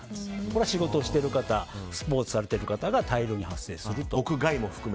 これは仕事をしている方スポーツをされている方が大量に発生すると。